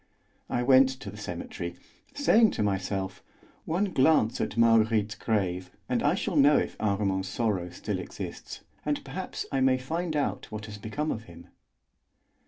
I went to the cemetery, saying to myself: "One glance at Marguerite's grave, and I shall know if Armand's sorrow still exists, and perhaps I may find out what has become of him."